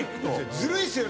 ずるいっすよね。